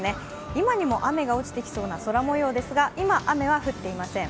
今にも雨が落ちてきそうな空もようですが今、雨は降っていません。